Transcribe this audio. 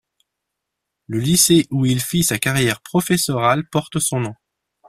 Le lycée où il fit sa carrière professorale porte son nom.